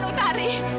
kamu tidak boleh